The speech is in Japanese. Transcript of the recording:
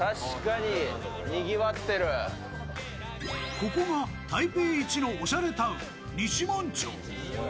ここが台北一のおしゃれタウン西門町。